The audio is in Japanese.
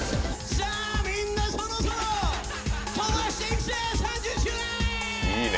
さあみんなそろそろ飛ばしていくぜ３０周年！